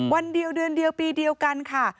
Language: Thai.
วันเดียวเดือนเดียวปีเดียวกันค่ะ